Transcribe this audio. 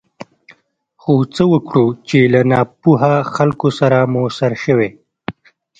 خو څه وکړو چې له ناپوهه خلکو سره مو سر شوی.